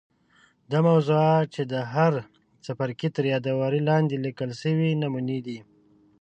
دا موضوعات چې د هر څپرکي تر یادوري لاندي لیکل سوي نمونې دي.